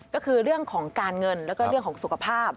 ก็คือเรื่องของการเงินแล้วก็เรื่องของสุขภาพ